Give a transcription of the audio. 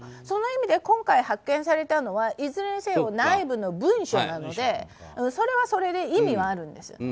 その意味で今回、発見されたのはいずれにせよ内部の文書なのでそれはそれで意味はあるんです。